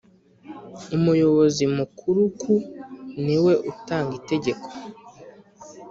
umuyobozi mukuruku niwe utanga itegeko.